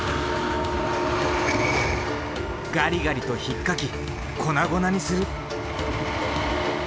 ガリガリとひっかき粉々にする。